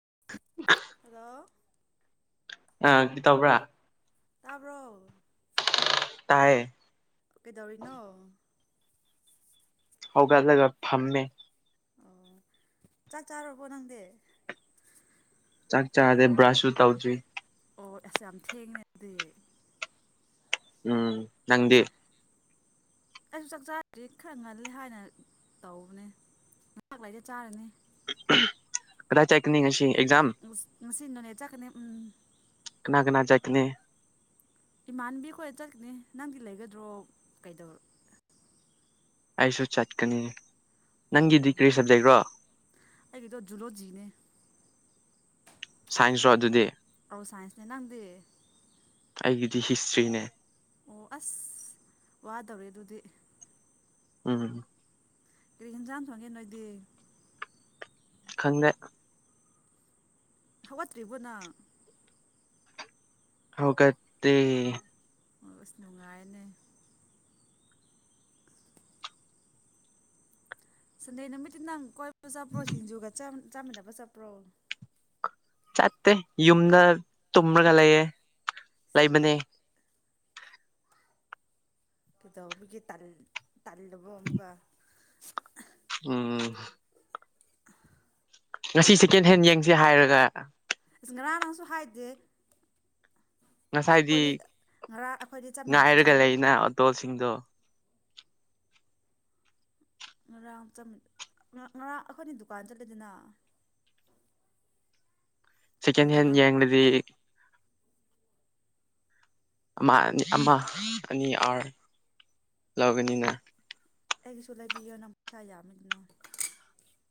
[inaudible] hello ꯑꯥ ꯏꯇꯥꯎꯕꯤ ꯇꯥꯕ꯭ꯔꯣ ꯇꯥꯏꯌꯦ ꯀꯩꯗꯧꯔꯤꯅꯣ ꯍꯧꯒꯂꯒ ꯐꯝꯃꯦ ꯑꯣ ꯆꯥꯛ ꯆꯥꯔꯕꯣ ꯅꯪꯗꯤ ꯆꯥꯛ ꯆꯥꯗꯦ ꯕ꯭ꯔꯁꯁꯨ ꯇꯧꯗ꯭ꯔꯤ ꯑꯣ ꯑꯁ ꯌꯥꯝ ꯊꯦꯡꯉꯦꯗꯗꯤ ꯎꯝ ꯅꯪꯗꯤ ꯑꯩꯁꯨ ꯆꯥꯛ ꯆꯥꯗ꯭ꯔꯤ ꯈꯔ ꯉꯜꯂꯦ ꯍꯥꯏꯅ ꯇꯧꯕꯅꯦ ꯉꯍꯥꯛ ꯂꯩꯔ ꯆꯥꯔꯅꯤ ꯀꯥꯗꯥꯏ ꯆꯦꯛ ꯉꯁꯤ ꯅꯣꯅꯦ ꯆꯠꯀꯅꯤ ꯎꯝ ꯀꯅꯥ ꯀꯅꯥ ꯆꯠꯀꯅꯤ ꯏꯃꯥꯟꯕꯤꯈꯣꯏ ꯆꯠꯀꯅꯤ ꯅꯪꯗꯤ ꯂꯩꯒꯗ꯭ꯔꯣ ꯀꯩꯗꯧ ꯑꯩꯁꯨ ꯆꯠꯀꯅꯤ ꯑꯣ ꯅꯪꯒꯤꯗꯤ ꯀꯔꯤ ꯁꯕꯖꯦꯛꯔꯣ ꯑꯩꯒꯤꯗꯣ ꯖꯨꯂꯣꯖꯤꯅꯦ ꯁꯥꯏꯟꯁꯔꯣ ꯑꯗꯨꯗꯤ ꯑꯧ ꯁꯥꯏꯟꯁꯅꯦ ꯅꯪꯗꯦ ꯑꯩꯒꯤꯗꯤ ꯍꯤꯁꯇ꯭ꯔꯤꯅꯦ ꯑꯣ ꯑꯁ ꯋꯥꯗꯧꯔꯤ ꯑꯗꯨꯗꯤ ꯎꯝ ꯀꯔꯤ ꯍꯦꯟꯖꯥꯡ ꯊꯣꯡꯒꯦ ꯅꯣꯏꯗꯤ ꯈꯪꯗꯦ ꯍꯧꯒꯠꯇ꯭ꯔꯤꯕꯣ ꯅꯪ ꯍꯩꯒꯠꯇꯦ ꯑꯁ ꯅꯨꯡꯉꯥꯏꯌꯦꯅꯦ ꯁꯟꯗꯦ ꯅꯨꯃꯤꯠꯇꯤ ꯅꯪ ꯀꯣꯏ [unintelligible] ꯆꯥꯃꯤꯟꯅꯕ ꯆꯠꯄ꯭ꯔꯣ ꯆꯠꯇꯦ ꯌꯨꯝꯗ ꯇꯨꯝꯔꯒ ꯂꯩꯌꯦ ꯂꯩꯕꯅꯦ ꯀꯩꯗꯧꯕꯒꯤ ꯇꯜ ꯇꯜꯂꯕꯣ ꯑꯃꯨꯛꯀ ꯎꯝ ꯉꯁꯤ ꯁꯦꯀꯦꯟ ꯍꯦꯟ ꯌꯦꯡꯁꯦ ꯍꯥꯏꯔꯒ ꯉꯔꯥꯡ ꯅꯪꯁꯨ ꯍꯥꯏꯗꯦ ꯉꯁꯥꯏꯗꯤ ꯑꯩꯈꯣꯏꯗꯤ ꯉꯔꯥꯡ ꯑꯩꯈꯣꯏꯗꯤ ꯆꯠꯃꯤꯟꯅꯕꯗꯣ ꯉꯥꯏꯔꯒ ꯂꯩꯅ ꯑꯣꯇꯣꯁꯤ ꯇꯨꯡꯗꯣ ꯉꯔꯥꯡ ꯆꯃꯤ ꯉꯔꯥꯡ ꯑꯩꯈꯣꯏꯅꯤ ꯗꯨꯀꯥꯟ ꯆꯠꯂꯦꯗꯅ ꯁꯦꯀꯦꯟ ꯑꯗꯨꯗ ꯍꯦꯟ ꯅꯪ ꯌꯦꯡꯂꯗꯤ ꯑꯃ ꯑꯅꯤ ꯑꯃ ꯑꯅꯤ ꯑꯥꯔ ꯂꯧꯒꯅꯤꯅ ꯑꯩꯒꯤꯁꯨ ꯂꯩꯕꯤꯌꯣꯅ ꯄꯩꯁꯥ ꯌꯥꯝꯃꯗꯤ ꯅꯪ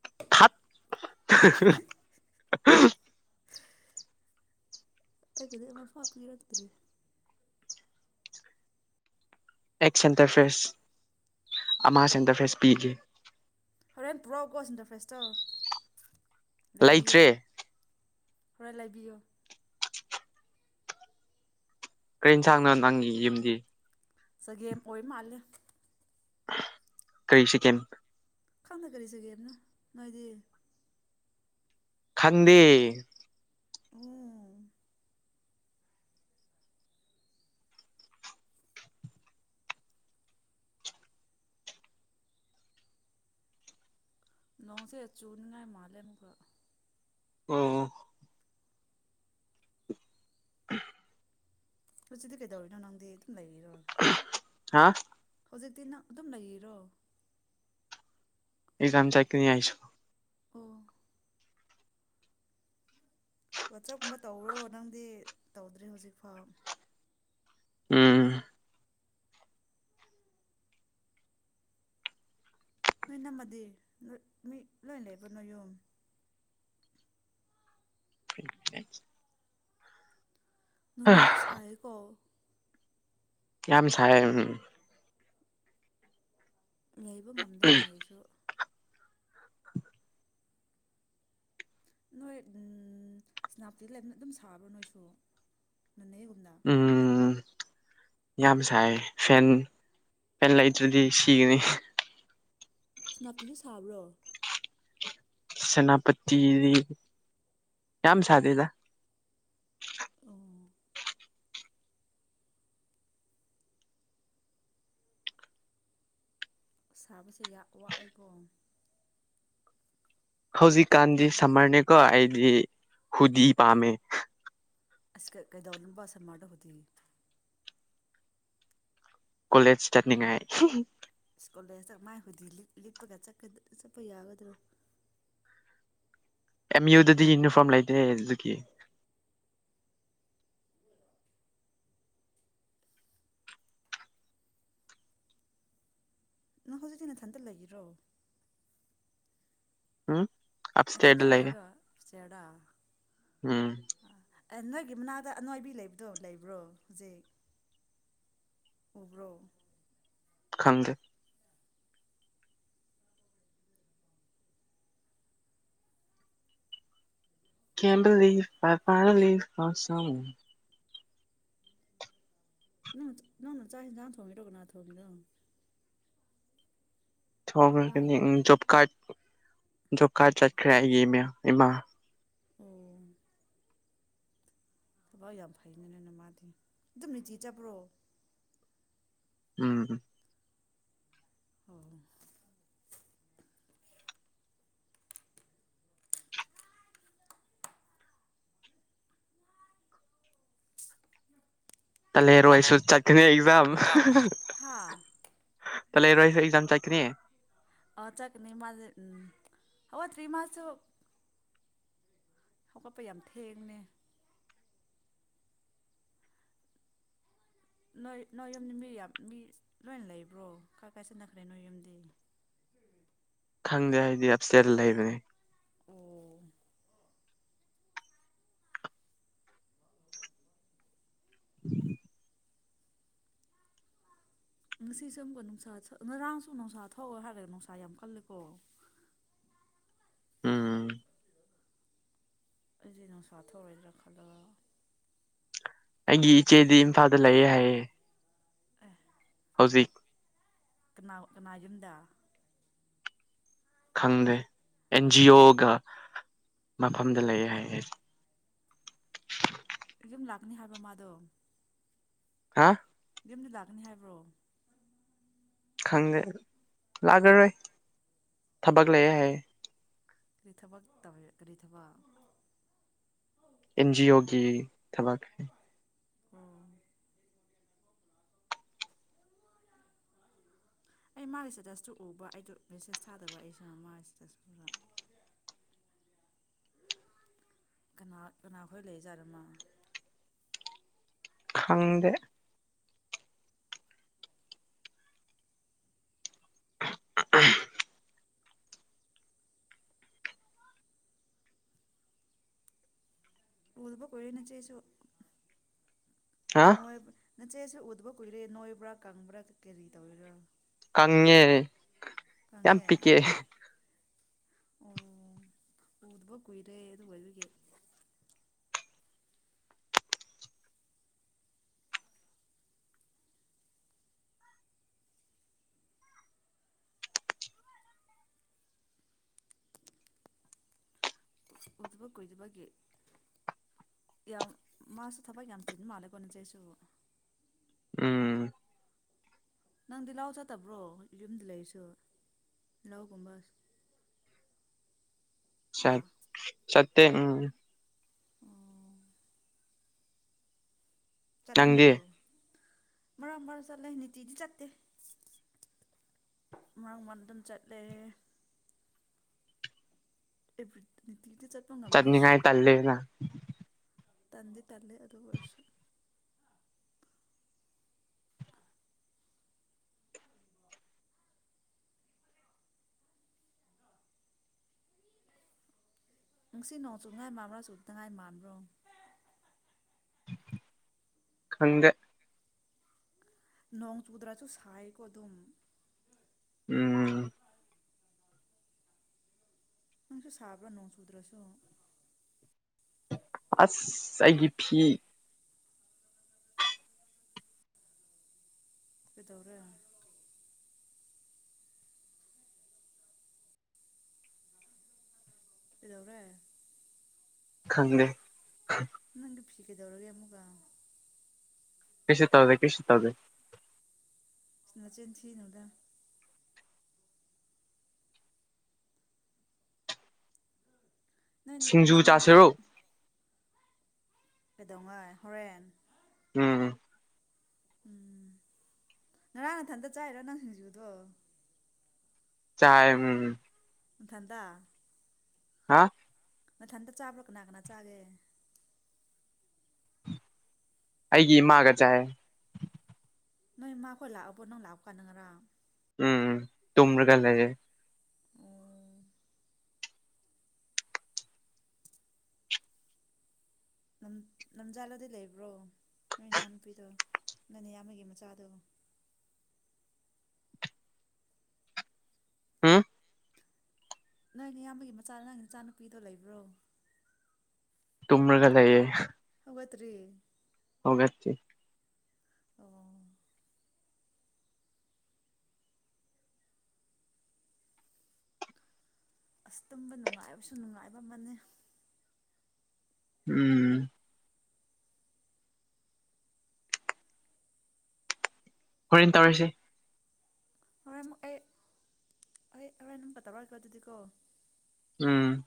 ꯊꯠ ꯑꯩꯒꯤꯗꯤ ꯑꯃ ꯐꯥꯎ ꯄꯤꯔꯛꯇ꯭ꯔꯤ ꯑꯦꯛ ꯁꯦꯟꯇꯔꯐ꯭ꯔꯦꯁ ꯑꯃ ꯁꯦꯟꯇꯔꯐ꯭ꯔꯦꯁ ꯄꯤꯒꯦ ꯍꯣꯔꯦꯟ ꯄꯨꯔꯛꯑꯣꯀꯣ ꯁꯤꯟꯇꯔ ꯐ꯭ꯔꯦꯁꯇꯣ ꯂꯩꯕꯤꯌꯣ ꯂꯩꯇ꯭ꯔꯦ ꯍꯣꯔꯦꯟ ꯂꯩꯕꯤꯌꯣ ꯀꯩ ꯑꯟꯖꯥꯡꯅꯣ ꯅꯪꯒꯤ ꯌꯨꯝꯗꯤ ꯆꯒꯦꯝ ꯑꯣꯏ ꯃꯥꯜꯂꯦ ꯀꯩ ꯁꯦꯀꯦꯟ ꯈꯪꯗꯦ ꯀꯔꯤ ꯆꯒꯦꯝꯅꯣ ꯅꯣꯏꯗꯤ ꯈꯪꯗꯦ ꯎꯝ ꯅꯣꯡꯁꯦ ꯆꯨꯅꯤꯡꯉꯥꯏ ꯃꯥꯜꯂꯦ ꯑꯃꯨꯛꯀꯥ ꯑꯣ ꯑꯍꯝ ꯍꯧꯖꯤꯛꯇꯤ ꯀꯩꯗꯧꯔꯤꯅꯣ ꯅꯪꯗꯤ ꯑꯗꯨꯝ ꯂꯩꯔꯤꯔꯣ ꯍꯥ ꯍꯧꯖꯤꯛꯇꯤ ꯅꯪ ꯑꯗꯨꯝ ꯂꯩꯔꯤꯔꯣ ꯑꯦꯛꯖꯥꯝ ꯆꯠꯛꯅꯤ ꯑꯩꯁꯨ ꯑꯣ ꯋꯥꯆꯦꯞ ꯒꯨꯝꯕ ꯇꯧꯔꯣ ꯅꯪꯗꯤ ꯇꯧꯗ꯭ꯔꯦ ꯍꯧꯖꯤꯛꯐꯥꯎ ꯎꯝ ꯅꯣꯏ ꯏꯅꯝꯃꯗꯤ ꯅꯣꯏ ꯃꯤ ꯂꯣꯏꯅ ꯂꯩꯕ꯭ꯔꯣ ꯅꯣꯏ ꯌꯨꯝ [inaudible] ꯅꯨꯡꯊꯤꯟꯁꯨ ꯁꯥꯌꯦꯀꯣ ꯌꯥꯝ ꯁꯥꯌꯦ ꯎꯝ ꯂꯩꯕ ꯉꯝꯗꯦꯅꯦ ꯑꯩꯁꯨ ꯅꯣꯏ ꯎꯝ ꯁꯦꯅꯥꯄꯇꯤꯗ ꯂꯩꯕ ꯑꯗꯨꯝ ꯁꯥꯕ꯭ꯔꯣ ꯅꯣꯏꯁꯨ ꯅꯣꯅꯦꯒꯨꯝꯅ ꯎꯝ ꯌꯥꯝ ꯁꯥꯏ ꯐꯦꯟ ꯐꯦꯟ ꯂꯩꯇ꯭ꯔꯗꯤ ꯑꯩ ꯁꯤꯒꯅꯤ ꯁꯦꯅꯥꯄꯇꯤ ꯁꯨ ꯁꯥꯕꯔꯣ ꯁꯦꯅꯥꯄꯇꯗꯤ ꯌꯥꯝ ꯁꯥꯗꯦꯗꯥ ꯑꯣ ꯁꯥꯕꯁꯦ ꯌꯥꯝ ꯋꯥꯑꯦꯀꯣ ꯍꯧꯖꯤꯛꯀꯥꯟꯗꯤ ꯁꯝꯃꯔꯅꯦꯀꯣ ꯑꯩꯗꯤ ꯍꯨꯗꯤ ꯄꯥꯝꯃꯦ ꯑꯁ ꯀ ꯀꯩꯗꯧꯔꯤꯃꯥ ꯁꯥꯃꯥꯔꯗꯣ ꯍꯨꯨꯖꯤ ꯀꯣꯂꯦꯖ ꯆꯠꯅꯤꯡ ꯉꯥꯏ ꯗꯣꯜꯂꯔ ꯆꯠꯃꯥꯏ ꯍꯨꯗꯤ ꯂꯤꯠ ꯂꯤꯠꯄꯒ ꯆꯠꯀ ꯆꯠꯄ ꯌꯥꯒꯗ꯭ꯔꯣ ꯑꯦꯝ ꯌꯨꯗꯗꯤ ꯌꯨꯅꯤꯐꯣꯔꯝ ꯂꯩꯇꯦ ꯑꯗꯨꯀꯤ ꯅꯪ ꯍꯧꯖꯤꯛꯇꯤ ꯅꯊꯟꯇ ꯂꯩꯔꯤꯔꯣ ꯑꯨꯡ ꯃꯊꯟꯗ ꯂꯩꯔꯣ ꯏꯇ꯭ꯌꯔꯗ ꯎꯝ ꯅꯣꯏꯒꯤ ꯃꯅꯥꯛꯇ ꯑꯅꯣꯏꯕꯤ ꯂꯩꯕꯗꯣ ꯂꯩꯕ꯭ꯔꯣ ꯍꯧꯖꯤꯛ ꯎꯕ꯭ꯔꯣ ꯈꯪꯗꯦ ꯀꯦꯟꯗꯨꯂꯤꯕ ꯄꯥꯄꯥꯂꯤꯕ ꯑꯁꯨꯝ ꯅꯪ ꯅꯪꯅ ꯆꯥꯛ ꯆꯦꯟꯁꯥꯡ ꯊꯣꯡꯢꯗꯣ ꯀꯅꯥꯅ ꯊꯣꯡꯢꯅꯣ ꯊꯣꯡꯔꯒꯅꯤ ꯑꯝ ꯖꯣꯕ ꯀꯥꯠ ꯖꯣꯕꯀꯥꯠ ꯆꯠꯈ꯭ꯔꯦ ꯑꯩꯒꯤ ꯏꯃ꯭ꯌꯥ ꯏꯃꯥ ꯑꯣ ꯊꯕꯛ ꯌꯥꯝ ꯐꯩꯅꯦ ꯃꯥꯗꯤ ꯑꯗꯨꯝ ꯅꯨꯡꯇꯤ ꯆꯠꯄ꯭ꯔꯣ ꯎꯝ ꯑꯣ ꯇꯟꯂꯦꯔꯣꯢꯁꯨ ꯆꯠꯈ꯭ꯔꯦ ꯏꯕꯥꯝ ꯍꯥ ꯀꯂꯦꯔꯣꯢꯁꯦ ꯑꯩ ꯑꯦꯛꯖꯥꯝ ꯆꯠꯀꯅꯤ ꯑꯣ ꯆꯠꯀꯅꯤ ꯃꯁꯨ ꯑꯣ ꯍꯧꯒꯠꯇꯔꯤ ꯃꯥꯁꯨ ꯍꯧꯒꯠꯄ ꯌꯥꯝ ꯊꯦꯡꯅꯦ ꯅꯣꯏ ꯅꯣꯏ ꯌꯨꯝꯗ ꯃꯤ ꯌꯥꯝ ꯃꯤ ꯂꯣꯏꯅ ꯂꯩꯕ꯭ꯔꯣ ꯀꯥꯏ ꯀꯥꯏ ꯆꯟꯅꯈ꯭ꯔꯦ ꯅꯣꯏ ꯌꯨꯝꯗꯤ ꯈꯪꯗꯦ ꯍꯥꯏꯗꯤ ꯑꯞꯁꯦꯟ ꯂꯩꯔꯦ ꯑꯣ [inaudible] ꯉꯁꯤꯁꯦ ꯁꯨꯝꯒꯨꯝꯕ ꯅꯨꯡꯁꯥ ꯉꯔꯥꯡꯁꯨ ꯅꯨꯡꯁꯥ ꯊꯧꯑꯣ ꯍꯥꯏꯔꯒ ꯅꯨꯡꯁꯥ ꯌꯥꯝ ꯀꯜꯂꯦꯀꯣ ꯎꯝ ꯑꯩꯁꯦ ꯅꯨꯡꯁꯥ ꯊꯔꯣꯏꯗ꯭ꯔꯥ ꯈꯜꯂꯒ ꯑꯩꯒꯤ ꯏꯆꯦꯗꯤ ꯏꯝꯐꯥꯜꯗ ꯂꯩꯌꯦ ꯍꯥꯏꯌꯦ ꯑꯦ ꯍꯧꯖꯤꯛ ꯀꯅꯥ ꯀꯅꯥꯅ ꯌꯨꯝꯗ ꯈꯪꯗꯦ ꯑꯦꯟꯖꯤ ꯑꯣꯒ ꯃꯐꯝꯗ ꯂꯩ ꯍꯥꯏꯌꯦ ꯂꯥꯛꯒꯅꯤ ꯍꯥꯏꯕ꯭ꯔꯥ ꯃꯥꯗꯣ ꯍꯥ ꯌꯨꯝꯗ ꯂꯥꯛꯀꯅꯤ ꯍꯥꯏꯕ꯭ꯔꯣ ꯈꯪꯗꯦ ꯂꯥꯛꯑꯔꯣꯏ ꯊꯕꯛ ꯂꯩꯌꯦ ꯍꯥꯏꯌꯦ ꯀꯔꯤ ꯊꯕꯛ ꯇꯧ ꯀꯔꯤ ꯊꯕꯛ ꯑꯦꯟ ꯖꯤ ꯑꯣꯒꯤ ꯊꯕꯛ ꯑꯣ ꯑꯩ ꯃꯥꯒꯤ ꯏꯁꯇꯦꯇꯁꯇꯨ ꯎꯕ ꯑꯩꯗꯣ ꯃꯦꯁꯦꯖ ꯊꯥꯗꯕ ꯑꯩꯁꯤ ꯃꯥꯒꯤ ꯏꯁꯇꯦꯇꯁ ꯄꯨꯔ ꯀꯅꯥ ꯀꯅꯥꯈꯣꯏ ꯂꯩꯖꯥꯠꯅꯣ ꯃꯥ ꯈꯪꯗꯦ [inaudible] ꯎꯗꯕ ꯀꯨꯏꯔꯦ ꯅꯆꯦꯁꯨ ꯍꯥ ꯃꯣꯏꯕꯨꯗꯤ- ꯅꯆꯦꯁꯨ ꯎꯗꯕ ꯀꯨꯏꯔꯦ ꯅꯣꯏꯕ꯭ꯔꯥ ꯀꯪꯕ꯭ꯔꯥ ꯀꯔꯤ ꯇꯧꯔꯤꯔꯥ ꯀꯪꯉꯦ ꯌꯥꯝ ꯀꯪꯉꯦ ꯄꯤꯛꯑꯦ ꯑꯣ ꯎꯗꯕ ꯀꯨꯏꯔꯦ ꯑꯗꯨ ꯑꯣꯏꯕꯒꯤ ꯎꯗꯕ ꯀꯨꯏꯗꯕꯒꯤ ꯌꯥꯝ ꯃꯥꯁꯨ ꯊꯕꯛ ꯌꯥꯝ ꯆꯤꯟ ꯃꯥꯜꯂꯦꯀꯣ ꯅꯆꯦ ꯁꯨ ꯎꯝ ꯅꯪꯗꯤ ꯂꯥꯎ ꯆꯠꯇꯕ꯭ꯔꯣ ꯌꯨꯝꯗ ꯂꯩꯔꯁꯨ ꯂꯥꯎꯒꯨꯝꯕ ꯆꯠ ꯆꯠ ꯑꯦ ꯎꯝ ꯑꯣ ꯅꯪꯗꯤ ꯆꯠꯅꯤꯡꯗ꯭ꯔꯣ ꯃꯔꯛ ꯃꯔꯛ ꯆꯠꯂꯦ ꯅꯨꯡꯇꯤꯗꯤ ꯆꯠꯇꯦ ꯃꯔꯛ ꯃꯔꯛ ꯑꯗꯨꯝ ꯆꯠꯂꯦ ꯑꯦꯕ ꯆꯠꯅꯤꯉꯥꯏ ꯇꯜꯂꯦꯅ ꯇꯟꯗꯤ ꯇꯜꯂꯦ ꯑꯗꯨ ꯑꯣꯢꯔꯁꯨ ꯁꯤ ꯅꯣꯡ ꯆꯨꯉꯥꯏ ꯃꯥꯟꯕ꯭ꯔꯥ ꯆꯨꯗꯉꯥꯏ ꯃꯥꯟꯕ꯭ꯔꯣ ꯈꯪꯗꯦ ꯅꯣꯡ ꯆꯨꯗ꯭ꯔꯥꯁꯨ ꯁꯥꯏꯀꯣ ꯑꯗꯨꯝ ꯎꯝ ꯅꯪꯁꯨ ꯁꯥꯕ꯭ꯔꯥ ꯅꯣꯡ ꯆꯨꯗ꯭ꯔꯁꯨ ꯑꯁ ꯑꯩꯒꯤ ꯐꯤ ꯀꯩꯗꯧꯔꯦ ꯀꯩꯗꯧꯔꯦ ꯈꯪꯗꯦ ꯅꯪꯗꯤ ꯐꯤ ꯀꯩꯗꯧꯔꯒꯦ ꯑꯃꯨꯛꯀ ꯀꯦꯁꯨ ꯇꯧꯗꯦ ꯀꯦꯁꯨ ꯇꯧꯗꯦ ꯅꯆꯤꯟ ꯊꯤꯅꯨ ꯗ ꯅꯣꯏ ꯁꯤꯡꯖꯨ ꯅꯝꯃꯗꯤ ꯆꯥꯁꯤꯔꯣ ꯀꯗꯣꯉꯥꯏ ꯍꯣꯔꯦꯟ ꯎꯝ ꯎꯝ ꯉꯔꯥꯡ ꯅꯊꯟꯇ ꯆꯥꯏꯔꯣ ꯅꯪ ꯁꯤꯡꯖꯨꯗꯣ ꯆꯥꯏ ꯎꯝ ꯊꯥꯟꯗꯥ ꯍꯥ ꯃꯊꯟꯇ ꯆꯥꯕ꯭ꯔꯥ ꯀꯅꯥ ꯀꯅꯥ ꯆꯥꯒꯦ ꯑꯩꯒꯤ ꯏꯃꯥꯒ ꯆꯥꯏ ꯅꯣꯏ ꯃꯥꯈꯣꯏ ꯂꯥꯛꯑꯕꯣ ꯅꯪ ꯂꯥꯛꯄ ꯀꯥꯟꯗ ꯉꯔꯥꯡ ꯎꯝ ꯇꯨꯝꯔꯒ ꯂꯩꯔꯦ ꯑꯣ ꯂꯝꯖꯥꯜꯂꯗꯤ ꯂꯩꯕ꯭ꯔꯣ ꯅꯣꯏ ꯏꯅꯥꯎꯅꯨꯄꯤꯗꯣ ꯅꯅꯤꯌꯥꯝꯕꯒꯤ ꯃꯆꯥꯗꯣ ꯎꯝ ꯅꯣꯏ ꯏꯌꯥꯝꯕꯒꯤ ꯃꯆꯥꯗ ꯅꯪ ꯅꯆꯥꯅꯨꯄꯤꯗꯣ ꯂꯩꯕ꯭ꯔꯣ ꯇꯨꯃꯔꯒ ꯂꯩꯔꯦ ꯍꯧꯒꯠꯇꯔꯤ ꯍꯧꯒꯠꯇꯦ ꯑꯣ ꯑꯁ ꯇꯨꯝꯕ ꯅꯨꯡꯉꯥꯏꯕꯁꯨ ꯅꯨꯡꯉꯥꯏꯕ ꯑꯃꯅꯦ ꯎꯝ ꯍꯣꯔꯦꯟ ꯇꯧꯔꯤꯁꯤ ꯍꯣꯔꯦꯟ ꯑꯩ ꯑꯩ ꯍꯣꯔꯦꯟ ꯑꯃꯨꯛꯀ ꯇꯧꯔꯛꯑꯒꯦ ꯀꯣ ꯎꯝ